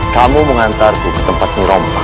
kamu mengantarku ke tempatmu rompang